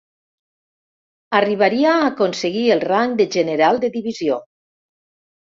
Arribaria a aconseguir el rang de general de divisió.